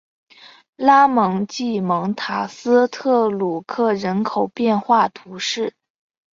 拉蒙济蒙塔斯特吕克人口变化图示